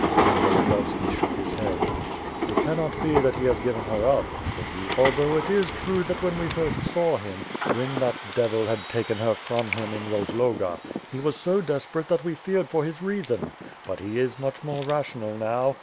Pan Volodiyovski shook his head. "It cannot be that he has given her up," said he, "although it is true that when we first saw him, when that devil had taken her from him in Eozloga, he was so desperate that we feared for his reason. But he is much more rational now.